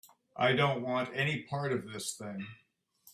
I don't want any part of this thing.